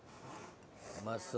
うまそう。